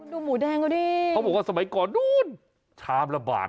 ดูหมูแดงเขาดิเขาบอกว่าสมัยก่อนนู้นชามละบาท